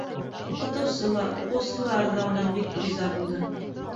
Уҡытыусы ла, уҡыусылар ҙа унан бик риза булды.